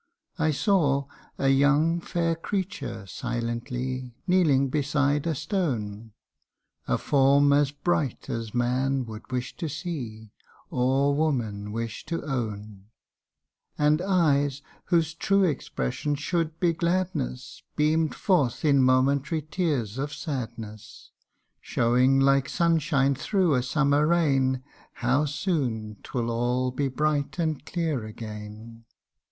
I saw a young fair creature silently Kneeling beside a stone, A form as bright as man would wish to see, Or woman wish to own ; And eyes, whose true expression should be gladness, Beam'd forth in momentary tears of sadness, Showing like sun shine through a summer rain How soon 'twill all be bright and clear again.